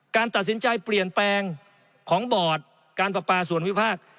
การตัดสินใจเปลี่ยนแปลงของบอร์ดการประปาส่วนวิพากษ์